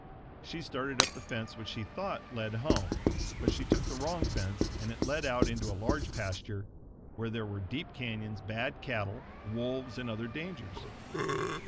She started up the fence which she thought led home, but she took the wrong fence and it led out into a large pasture where there were deep canyons, bad cattle, wolves, and other dangers.